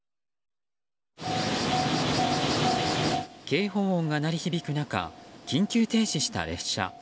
警報音が鳴り響く中緊急停止した列車。